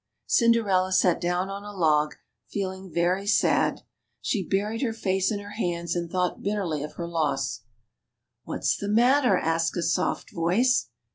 Cinderella sat down on a log, feeling very sad. She buried her face in her hands, and thought bitterly of her loss. What's the matter?" asked a soft voice.